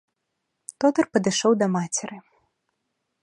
Тодар падышоў да мацеры.